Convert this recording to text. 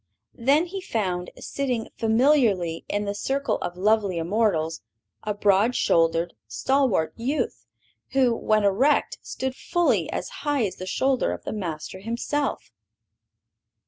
Then he found, sitting familiarly in the circle of lovely immortals, a broad shouldered, stalwart youth, who, when erect, stood fully as high as the shoulder of the Master himself.